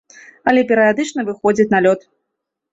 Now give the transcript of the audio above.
Але перыядычна выходзіць на лёд.